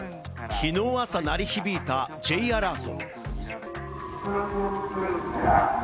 きのう朝、鳴り響いたＪアラート。